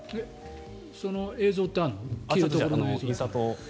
その映像ってあるの？